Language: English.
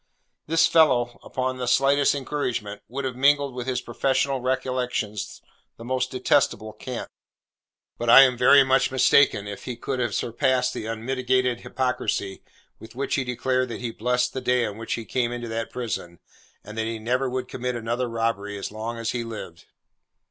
This fellow, upon the slightest encouragement, would have mingled with his professional recollections the most detestable cant; but I am very much mistaken if he could have surpassed the unmitigated hypocrisy with which he declared that he blessed the day on which he came into that prison, and that he never would commit another robbery as long as he lived.